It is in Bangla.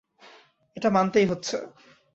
এটা মানতেই হচ্ছে।